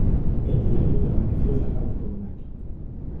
El diario permaneció cerrado por un año.